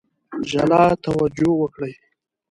جلا توجه وکړي.